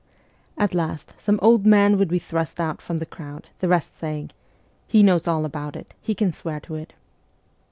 At last, some old man would be thrust out from the crowd, the rest saying :" He knows all about it, he can swear to it."